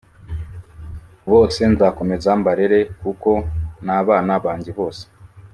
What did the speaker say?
Bose nzakomeza mbarere kuko nabana banjye bose